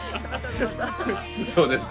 そうですね。